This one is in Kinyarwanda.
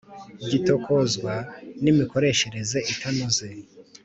gitokozwa n’imikoreshereze itanoze,